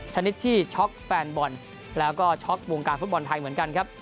ชนิดที่ช็อกแฟนบอลแล้วก็ช็อกวงการฟุตบอลไทยเหมือนกันครับ